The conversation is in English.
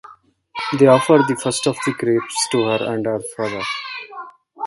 They offered the first of the grapes to her and her father.